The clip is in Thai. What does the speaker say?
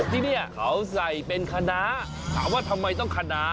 ที่นี่เขาใส่เป็นคณะถามว่าทำไมต้องคณะ